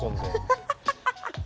ハハハハ！